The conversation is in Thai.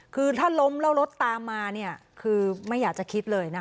คือถ้าล้มแล้วรถตามมาเนี่ยคือไม่อยากจะคิดเลยนะคะ